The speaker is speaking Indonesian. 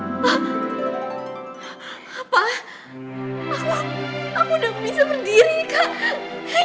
apa aku udah bisa berdiri kak